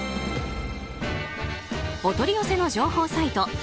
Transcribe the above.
お取り寄せの情報サイト